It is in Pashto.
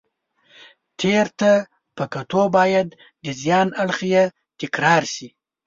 تېر ته په کتو باید د زیان اړخ یې تکرار شي.